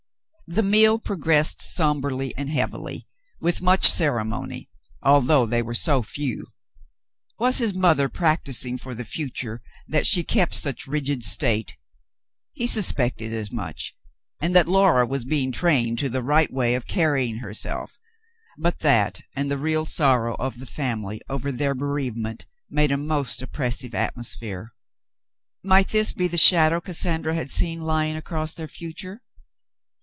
The meal progressed sombrely and heavily, with much ceremony, although they were so few. Was his mother practising for the future that she kept such rigid state ? He suspected as much, and that Laura was being trained to the right way of carrying herself, but that and the real sorrow of the family over their bereavement made a most oppres sive atmosphere. Might this be the shadow Cassandra had seen lying across their future